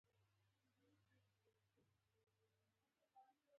د زړه لومړی غږ او دویم غږ په څه ډول تولیدیږي؟